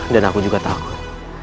dan aku juga takut